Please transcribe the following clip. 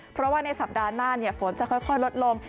เพราะว่าในสัปดาห์หน้าฝนจะค่อยลดลง